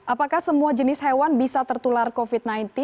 apakah semua jenis hewan bisa tertular covid sembilan belas